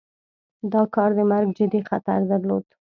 دا کار د مرګ جدي خطر درلود.